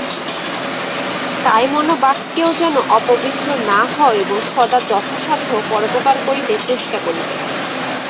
কায়মনোবাক্যেও যেন অপবিত্র না হও এবং সদা যথাসাধ্য পরোপকার করিতে চেষ্টা করিবে।